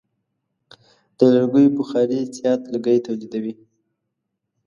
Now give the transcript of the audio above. د لرګیو بخاري زیات لوګی تولیدوي.